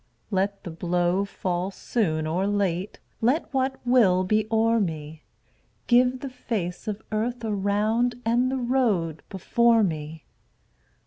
Let the blow fall soon or late, Let what will be o'er me; Give the face of earth around And the road before me.